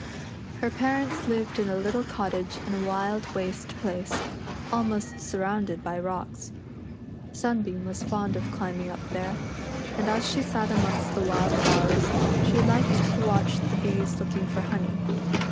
Her parents lived in a little cottage in a wild waste place, almost surrounded by rocks. Sunbeam was fond of climbing up there, and as she sat amongst the wild flowers, she liked to watch the bees looking for honey.